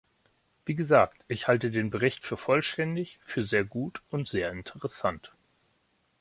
Wie gesagt, ich halte den Bericht für vollständig, für sehr gut und sehr interessant.